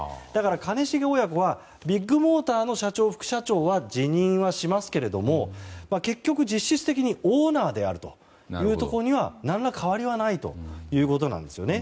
兼重親子はビッグモーターの社長、副社長は辞任はしますけれども結局、実質的にオーナーであるというところには何ら変わりはないんですよね。